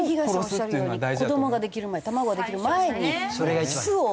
東さんおっしゃるように子どもができる前卵ができる前に巣を。